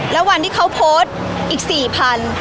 แล้ววันที่เขาโพสต์อีกสี่พัน